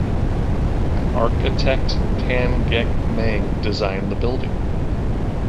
Architect Tan Gek Meng designed the building.